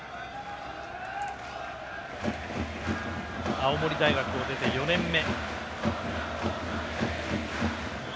青森大学を出て４年目。